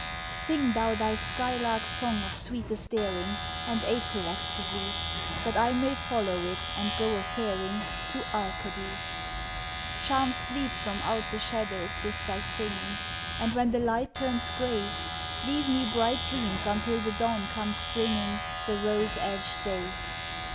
Sing thou thy sky lark song of sweetest daring, And April ecstasy, That I may follow it and go a faring To Arcady. Charm sleep from out the shadows with thy singing, And when the light turns grey, Leave me bright dreams until the dawn comes bringing The rose edged day.